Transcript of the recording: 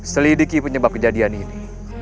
selidiki penyebab kejadian ini